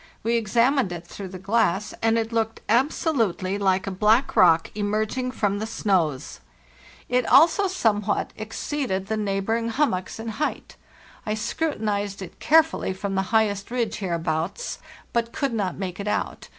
We ex amined it through the glass and it looked absolutely like a black rock emerging from the snows. It also somewhat 308 FARTHEST NORTH exceeded the neighboring hummocks in height. I scru tinized it carefully from the highest ridge hereabouts, but could not make it out.